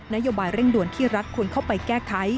นโยบายเร่งด่วนที่รัฐควรเข้าไปแก้ไข